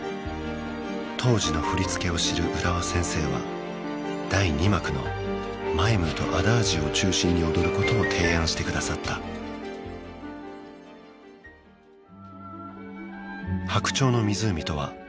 当時の振り付けを知るうらわ先生は第二幕のマイムとアダージオを中心に踊ることを提案してくださった「白鳥の湖」とは成人を迎えた王子が